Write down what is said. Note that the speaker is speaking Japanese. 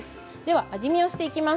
味見をしていきます。